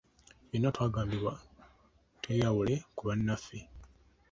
Ffenna twagambiddwa okweyawula ku bannaffe.